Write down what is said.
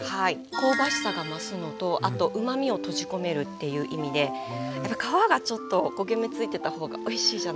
香ばしさが増すのとあとうまみを閉じ込めるっていう意味でやっぱ皮がちょっと焦げ目ついてた方がおいしいじゃないですか。